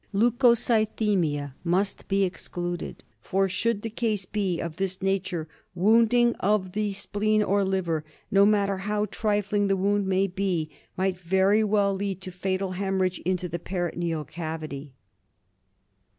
Leucocythemia must be excluded ; for, should the case be of this nature, wound ing of the spleen or liver, no matter how trifling the wound may be, might very well lead to fatal haemorrhage into the peritoneal cavity.